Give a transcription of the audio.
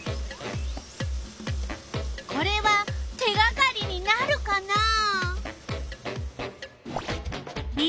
これは手がかりになるかな？